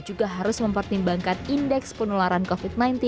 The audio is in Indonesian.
juga harus mempertimbangkan indeks penularan covid sembilan belas